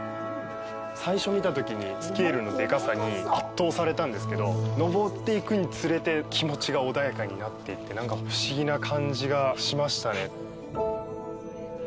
最初見たときにスケールのでかさに圧倒されたんですけど上っていくにつれて気持ちが穏やかになっていってなんか不思議な感じがしましたね。